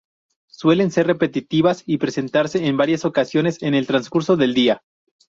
Suelen ser repetitivas y presentarse en varias ocasiones en el transcurso del día.